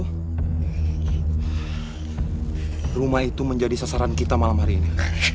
hai rumah itu menjadi sasaran kita malam hari ini